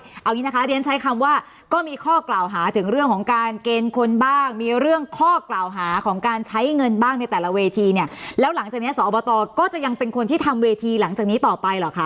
เอาอย่างนี้นะคะเรียนใช้คำว่าก็มีข้อกล่าวหาถึงเรื่องของการเกณฑ์คนบ้างมีเรื่องข้อกล่าวหาของการใช้เงินบ้างในแต่ละเวทีเนี่ยแล้วหลังจากนี้สอบตก็จะยังเป็นคนที่ทำเวทีหลังจากนี้ต่อไปเหรอคะ